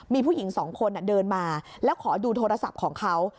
มีผู้หญิงสองคนเดินมาแล้วขอดูโทรศัพท์ของเขา